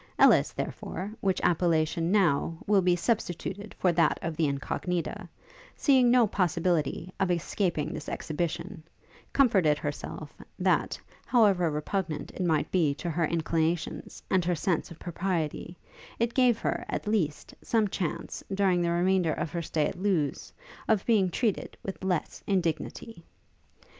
Ellis, therefore, which appellation, now, will be substituted for that of the Incognita, seeing no possibility of escaping this exhibition, comforted herself, that, however repugnant it might be to her inclinations and her sense of propriety, it gave her, at least, some chance, during the remainder of her stay at Lewes, of being treated with less indignity.